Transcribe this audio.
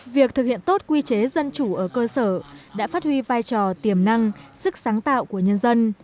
việc thực hiện tốt quy chế dân chủ ở cơ sở đã phát huy vai trò tiềm năng sức sáng tạo của nhân dân